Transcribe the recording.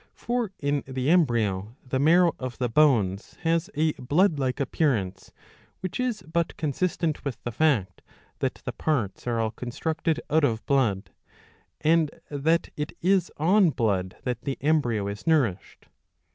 For in the embryo the marrow of the bones has a blood like appearance, which is but consistent with the fact that the parts are all constructed out of blood, and that it is on blood that the embryo is nourished.